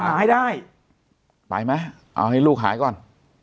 หายได้ไปไหมเอาให้ลูกหายก่อน